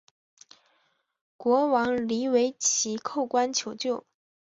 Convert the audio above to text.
国王黎维祁叩关求救。